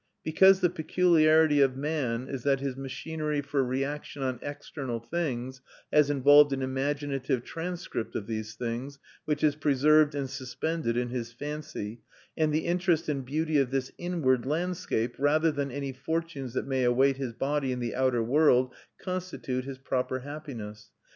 Because the peculiarity of man is that his machinery for reaction on external things has involved an imaginative transcript of these things, which is preserved and suspended in his fancy; and the interest and beauty of this inward landscape, rather than any fortunes that may await his body in the outer world, constitute his proper happiness.